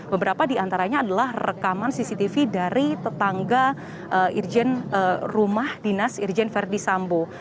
beberapa diantaranya adalah rekaman cctv dari tetangga rumah dinas irjen ferdisambo